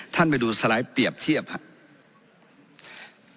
ไปดูสไลด์เปรียบเทียบครับ